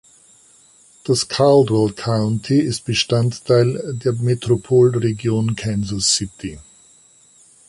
Das Caldwell County ist Bestandteil der Metropolregion Kansas City.